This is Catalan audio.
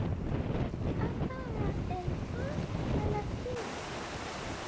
Apaga el forn a les cinc.